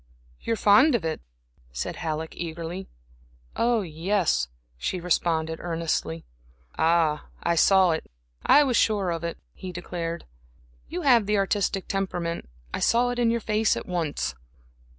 "You are fond of it?" said Halleck, eagerly. "Yes," she responded, earnestly. "Ah, I saw it I was sure of it," he declared. "You have the artistic temperament. I saw it in your face at once."